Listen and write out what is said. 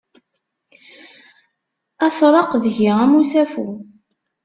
Ad tṛeq deg-i am usafu.